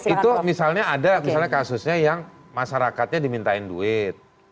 itu misalnya ada misalnya kasusnya yang masyarakatnya dimintain duit